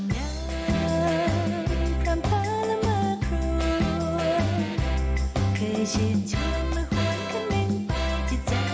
มีค่าเต้นแบบนี้มีหาคู่เต้นอยู่ป่ะคะ